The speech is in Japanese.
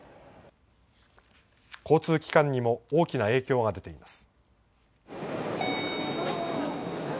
交通機関にも大きな影響が出ています。